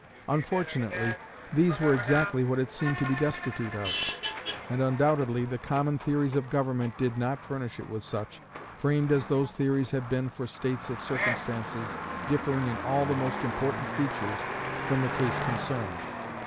Unfortunately, these were exactly what it seemed to be destitute of; and undoubtedly the common theories of government did not furnish it with such, framed as those theories have been for states of circumstances differing in all the most important features from the case concerned.